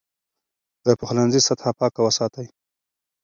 د پخلنځي سطحه پاکه وساتئ.